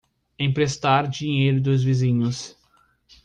Emprestar dinheiro dos vizinhos